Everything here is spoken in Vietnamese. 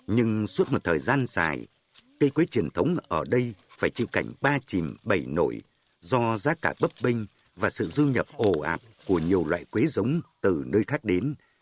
nhưng suốt một thời gian dài cây quế truyền thống ở đây phải chịu cảnh ba chìm bảy nổi do giá cả bấp bênh và sự dư nhập ổ ạp của nhiều loại quế giống từ nơi khác đến